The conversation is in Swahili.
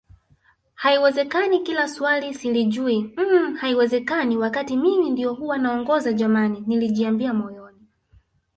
Haiwezekani kila swali silijui mmh haiwezekani wakatii Mimi ndio huwa naongoza jamani nilijiambia moyoni